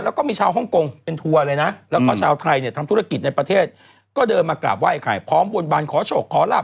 แล้วก็มีชาวฮ่องกงเป็นทัวร์เลยนะแล้วก็ชาวไทยเนี่ยทำธุรกิจในประเทศก็เดินมากราบไห้ไอไข่พร้อมบนบันขอโชคขอลาบ